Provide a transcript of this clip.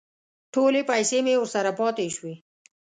ټولې پیسې مې ورسره پاتې شوې.